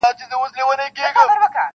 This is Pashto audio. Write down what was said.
نن مي و لیدی په ښار کي ښایسته زوی د بادار-